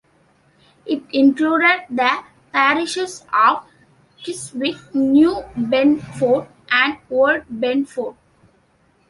It included the parishes of Chiswick, New Brentford and Old Brentford.